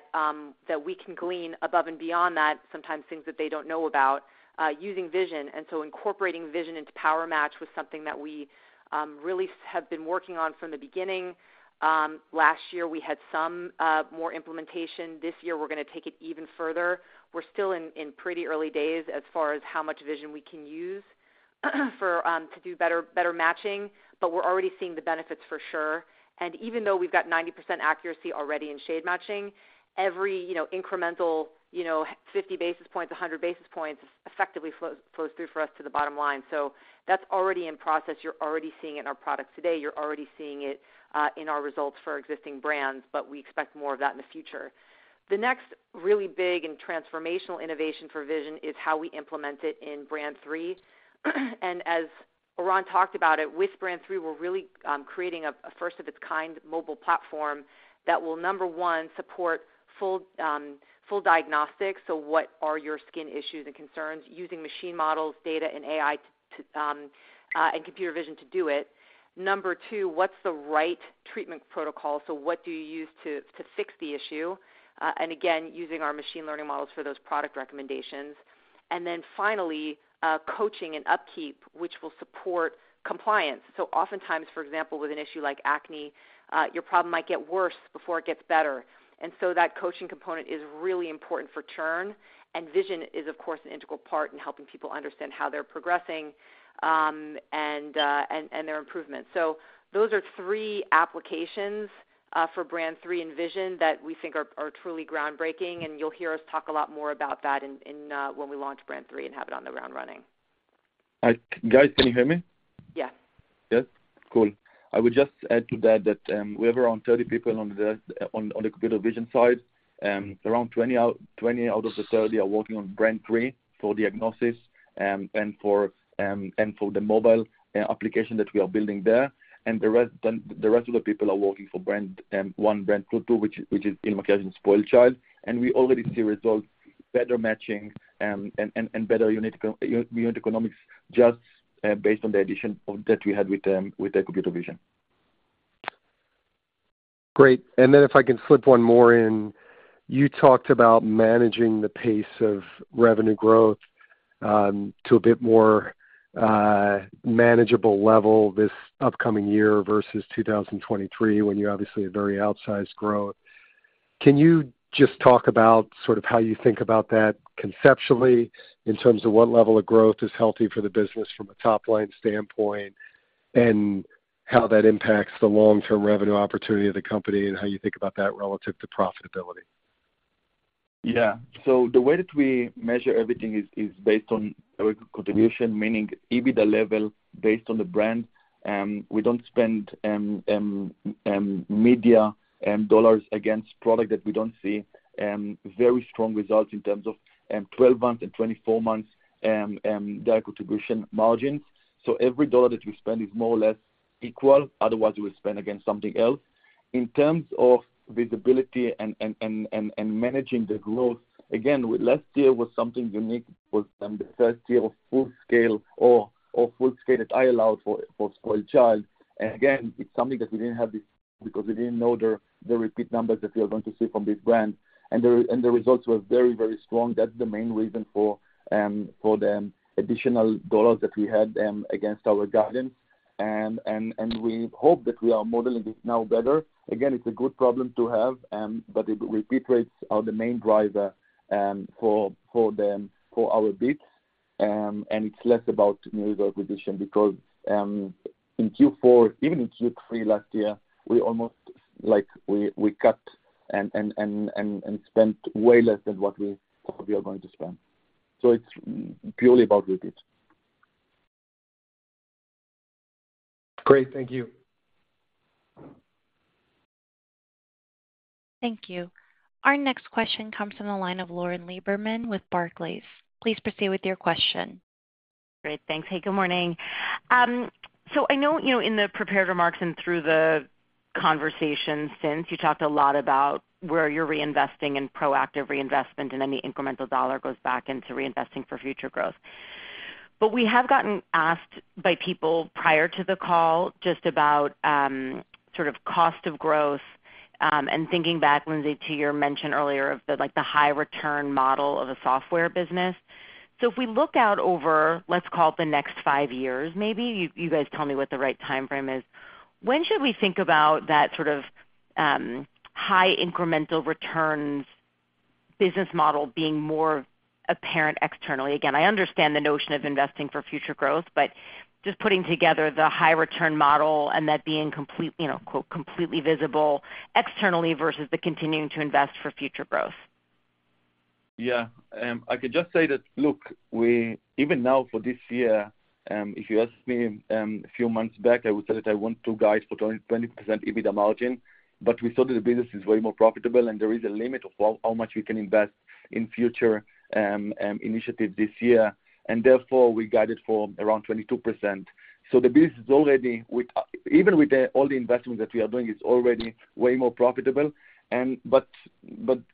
we can glean above and beyond that, sometimes things that they don't know about, using vision. And so incorporating vision into PowerMatch was something that we really have been working on from the beginning. Last year, we had some more implementation. This year, we're going to take it even further. We're still in pretty early days as far as how much vision we can use for to do better matching, but we're already seeing the benefits for sure. And even though we've got 90% accuracy already in shade matching, every, you know, incremental, you know, 50 basis points, 100 basis points, effectively flows through for us to the bottom line. So that's already in process. You're already seeing it in our products today. You're already seeing it in our results for existing brands, but we expect more of that in the future. The next really big and transformational innovation for vision is how we implement it in Brand 3. And as Oran talked about it, with Brand 3, we're really creating a first of its kind mobile platform that will, number one, support full diagnostics. So what are your skin issues and concerns? Using machine models, data, and AI, and computer vision to do it. Number two, what's the right treatment protocol? So what do you use to fix the issue? And again, using our machine learning models for those product recommendations. And then finally, coaching and upkeep, which will support compliance. So oftentimes, for example, with an issue like acne, your problem might get worse before it gets better. And so that coaching component is really important for churn. And vision is, of course, an integral part in helping people understand how they're progressing and their improvements. So those are three applications for Brand 3 and vision that we think are truly groundbreaking, and you'll hear us talk a lot more about that when we launch Brand 3 and have it on the ground running. Guys, can you hear me? Yes. Yes? Cool. I would just add to that, that we have around 30 people on the, on the, on the computer vision side, around 20 out of the 30 are working on Brand 3 for diagnosis, and for, and for the mobile application that we are building there. And the rest of the people are working for Brand 1, Brand 2, which is IL MAKIAGE, SpoiledChild, and we already see results, better matching and, and, and better unit economics just based on the addition of that we had with the computer vision. Great. And then if I can slip one more in, you talked about managing the pace of revenue growth, to a bit more, manageable level this upcoming year versus 2023, when you obviously a very outsized growth. Can you just talk about sort of how you think about that conceptually, in terms of what level of growth is healthy for the business from a top line standpoint, and how that impacts the long-term revenue opportunity of the company, and how you think about that relative to profitability? Yeah. So the way that we measure everything is based on direct contribution, meaning EBITDA level based on the brand. We don't spend media dollars against product that we don't see very strong results in terms of 12 months and 24 months direct contribution margins. So every dollar that we spend is more or less equal, otherwise we spend against something else. In terms of visibility and managing the growth, again, last year was something unique with the first year of full scale or full-scale that I allowed for SpoiledChild. And again, it's something that we didn't have this, because we didn't know the repeat numbers that we are going to see from this brand. And the results were very, very strong. That's the main reason for the additional dollars that we had against our guidance. And we hope that we are modeling this now better. Again, it's a good problem to have, but repeat rates are the main driver for our bids. And it's less about new acquisition, because in Q4, even in Q3 last year, we almost, like, we cut and spent way less than what we probably are going to spend. So it's purely about repeat. Great. Thank you. Thank you. Our next question comes from the line of Lauren Lieberman with Barclays. Please proceed with your question. Great. Thanks. Hey, good morning. So I know, you know, in the prepared remarks and through the conversation since, you talked a lot about where you're reinvesting in proactive reinvestment, and then the incremental dollar goes back into reinvesting for future growth. But we have gotten asked by people prior to the call, just about, sort of cost of growth, and thinking back, Lindsay, to your mention earlier of the, like, the high return model of the software business. So if we look out over, let's call it the next five years, maybe, you, you guys tell me what the right timeframe is, when should we think about that sort of, high incremental returns business model being more apparent externally? Again, I understand the notion of investing for future growth, but just putting together the high return model and that being complete, you know, "completely visible" externally versus the continuing to invest for future growth. Yeah. I could just say that, look, we even now for this year, if you asked me a few months back, I would say that I want to guide for 20% EBITDA margin, but we saw that the business is way more profitable, and there is a limit of how much we can invest in future initiative this year, and therefore, we guided for around 22%. So the business is already even with all the investments that we are doing, it's already way more profitable. But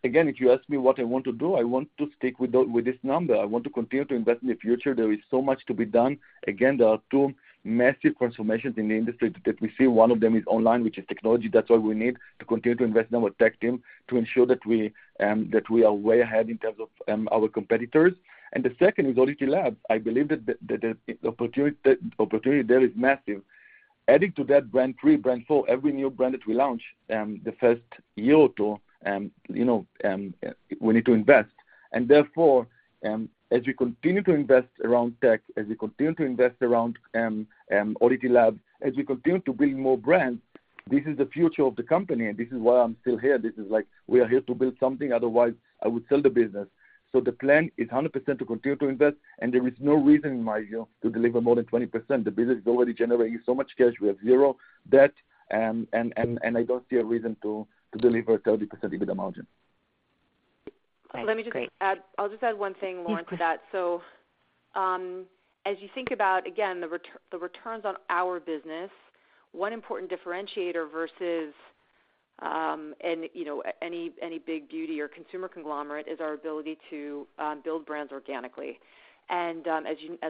again, if you ask me what I want to do, I want to stick with this number. I want to continue to invest in the future. There is so much to be done. Again, there are two massive transformations in the industry that we see. One of them is online, which is technology. That's why we need to continue to invest in our tech team to ensure that we, that we are way ahead in terms of, our competitors. And the second is ODDITY Labs. I believe that the opportunity there is massive. Adding to that Brand 3, Brand 4, every new brand that we launch, the first year or two, you know, we need to invest. And therefore, as we continue to invest around tech, as we continue to invest around ODDITY Labs, as we continue to build more brands, this is the future of the company, and this is why I'm still here. This is like, we are here to build something, otherwise, I would sell the business. The plan is 100% to continue to invest, and there is no reason in my view to deliver more than 20%. The business is already generating so much cash, we have zero debt, and I don't see a reason to deliver 30% EBITDA margin. Thanks. Great. Let me just add. I'll just add one thing more to that. Yeah. As you think about, again, the returns on our business, one important differentiator versus, and, you know, any, any big beauty or consumer conglomerate, is our ability to build brands organically. As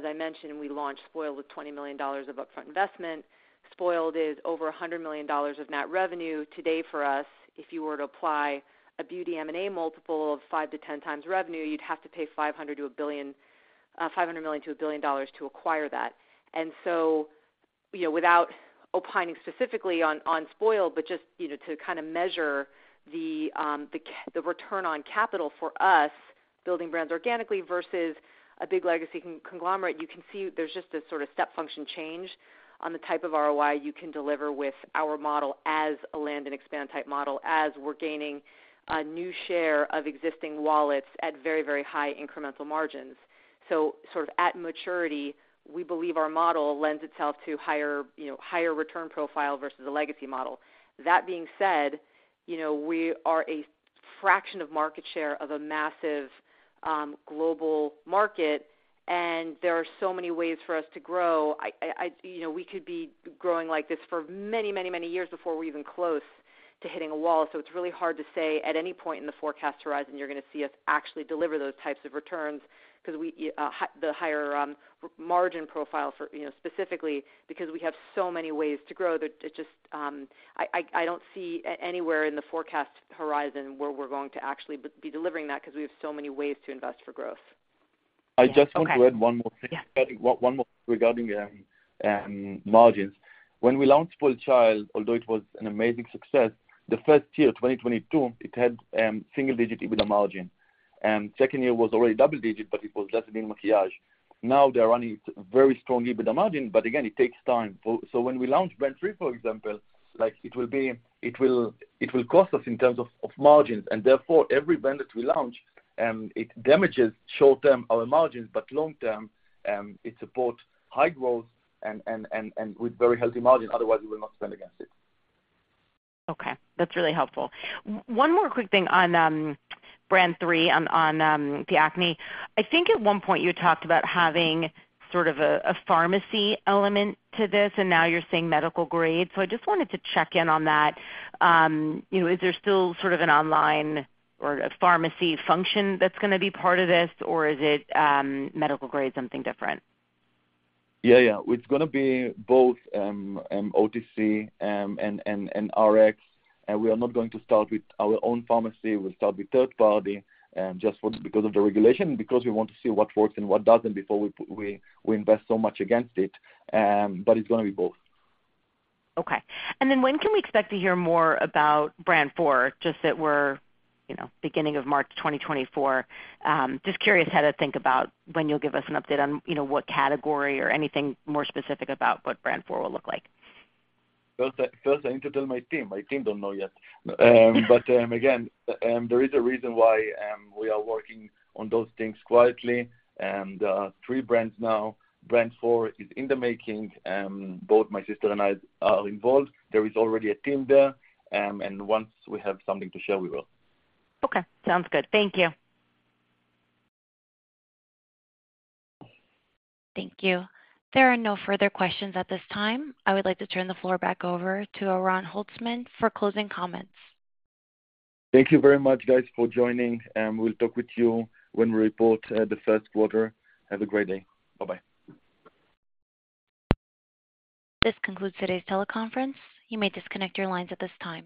I mentioned, we launched Spoiled with $20 million of upfront investment. Spoiled is over $100 million of net revenue today for us. If you were to apply a beauty M&A multiple of 5-10x revenue, you'd have to pay $500 million-$1 billion to acquire that. And so, you know, without opining specifically on Spoiled, but just, you know, to kind of measure the return on capital for us, building brands organically versus a big legacy conglomerate, you can see there's just this sort of step function change on the type of ROI you can deliver with our model as a land and expand type model, as we're gaining a new share of existing wallets at very, very high incremental margins. So sort of at maturity, we believe our model lends itself to higher, you know, higher return profile versus a legacy model. That being said, you know, we are a fraction of market share of a massive global market, and there are so many ways for us to grow. You know, we could be growing like this for many, many, many years before we're even close to hitting a wall, so it's really hard to say at any point in the forecast horizon you're gonna see us actually deliver those types of returns, 'cause the higher margin profile for, you know, specifically because we have so many ways to grow, that it just, I don't see anywhere in the forecast horizon where we're going to actually be delivering that, because we have so many ways to invest for growth. I just want to add one more thing. Yeah. One more regarding margins. When we launched SpoiledChild, although it was an amazing success, the first year, 2022, it had single-digit EBITDA margin. Second year was already double-digit, but it was just in IL MAKIAGE. Now they're running very strong EBITDA margin, but again, it takes time for. So when we launch Brand 3, for example, like, it will be—it will cost us in terms of margins, and therefore, every brand that we launch, it damages short-term our margins, but long-term, it support high growth and with very healthy margin, otherwise we will not spend against it. Okay, that's really helpful. One more quick thing on Brand 3, on the acne. I think at one point you talked about having sort of a pharmacy element to this, and now you're saying medical grade. So I just wanted to check in on that. You know, is there still sort of an online or a pharmacy function that's gonna be part of this? Or is it medical grade, something different? Yeah, yeah. It's gonna be both, OTC, and RX. And we are not going to start with our own pharmacy. We'll start with third party, just because of the regulation, because we want to see what works and what doesn't before we invest so much against it, but it's gonna be both. Okay. And then when can we expect to hear more about Brand 4? Just that we're, you know, beginning of March 2024. Just curious how to think about when you'll give us an update on, you know, what category or anything more specific about what Brand 4 will look like. First, I need to tell my team. My team don't know yet. But, again, there is a reason why we are working on those things quietly, and three brands now, Brand 4 is in the making. Both my sister and I are involved. There is already a team there, and once we have something to share, we will. Okay, sounds good. Thank you. Thank you. There are no further questions at this time. I would like to turn the floor back over to Oran Holtzman for closing comments. Thank you very much, guys, for joining, and we'll talk with you when we report the first quarter. Have a great day. Bye-bye. This concludes today's teleconference. You may disconnect your lines at this time.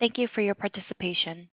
Thank you for your participation.